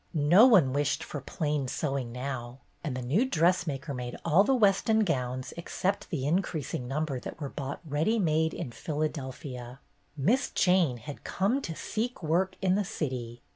No one wished for plain sewing now, and the new dressmaker made all the Weston gowns except the increasing number that were bought "ready made" in Philadelphia. Miss Jane had come to seek work in the city!